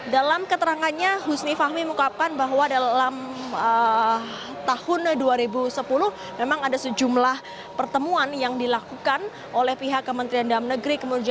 dalam keterangannya husni fahmi mengungkapkan bahwa dalam tahun dua ribu sepuluh memang ada sejumlah pertemuan yang dilakukan oleh pihak kementerian dalam negeri